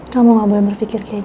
kamu gak boleh berfikir kayak gitu